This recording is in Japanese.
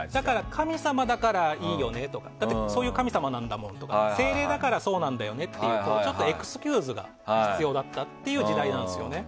神様だからいいとかそういう神様なんだもんとか精霊だからそうなんだよねっていうとちょっとエクスキューズが必要だった時代なんです。